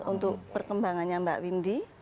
untuk perkembangannya mbak windy